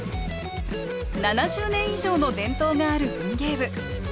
７０年以上の伝統がある文芸部。